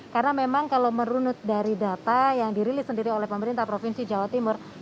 karena memang kalau merunut dari data yang dirilis sendiri oleh pemerintah provinsi jawa timur